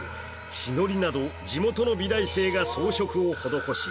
血のりなど地元の美大生が装飾を施し